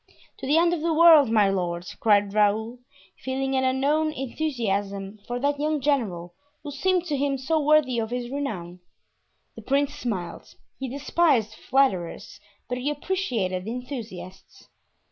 "To the end of the world, my lord!" cried Raoul, feeling an unknown enthusiasm for that young general, who seemed to him so worthy of his renown. The prince smiled; he despised flatterers, but he appreciated enthusiasts.